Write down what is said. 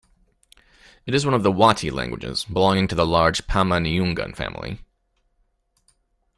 It is one of the Wati languages, belonging to the large Pama-Nyungan family.